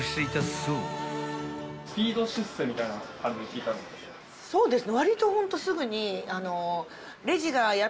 そうですね。